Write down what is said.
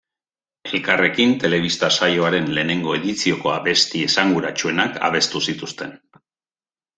Elkarrekin telebista-saioaren lehenengo edizioko abesti esanguratsuenak abestu zituzten.